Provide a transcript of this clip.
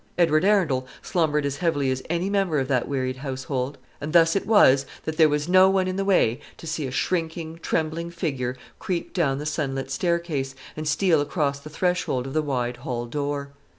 Edward Arundel slumbered as heavily as any member of that wearied household; and thus it was that there was no one in the way to see a shrinking, trembling figure creep down the sunlit staircase, and steal across the threshold of the wide hall door.